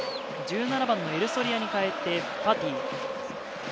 １７番のエルソリアに代えてファティ。